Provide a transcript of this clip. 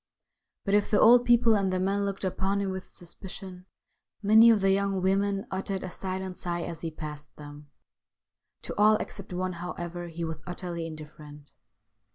But if the old people and the men looked upon him with suspicion, many of the young women uttered a silent sigh as he passed them. To all except one, however, he was utterly indifferent.